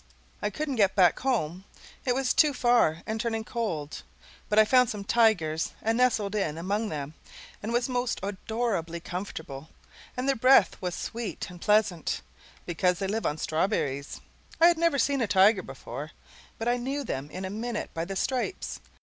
I couldn't get back home; it was too far and turning cold; but I found some tigers and nestled in among them and was most adorably comfortable, and their breath was sweet and pleasant, because they live on strawberries. I had never seen a tiger before, but I knew them in a minute by the stripes.